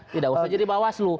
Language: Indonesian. tidak usah jadi bawah seluruh